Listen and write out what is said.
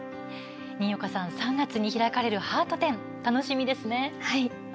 新岡さん、３月に開かれるハート展、楽しみですね。